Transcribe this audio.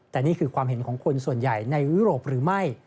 แต่นี่คือความเห็นของคนส่วนใหญ่ในยุโรปหรือไม่